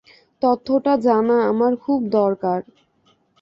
তথ্যটা জানা আমার খুব দরকার।